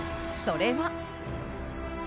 それは。